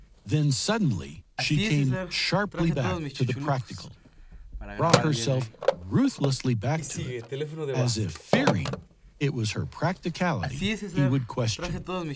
Then suddenly she came sharply back to the practical, brought herself ruthlessly back to it, as if fearing it was her practicality he would question.